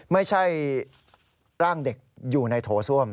ไม่ใช่ร่างเด็กอยู่ในโถส้วม